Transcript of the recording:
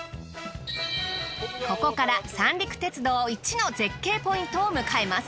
ここから三陸鉄道一の絶景ポイントを迎えます。